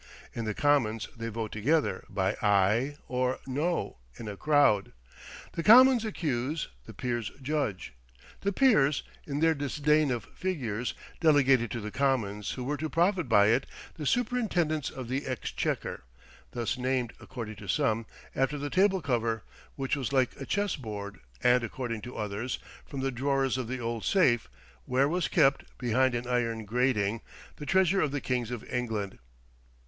In the Commons they vote together, by "Aye," or "No," in a crowd. The Commons accuse, the peers judge. The peers, in their disdain of figures, delegated to the Commons, who were to profit by it, the superintendence of the Exchequer thus named, according to some, after the table cover, which was like a chess board; and according to others, from the drawers of the old safe, where was kept, behind an iron grating, the treasure of the kings of England.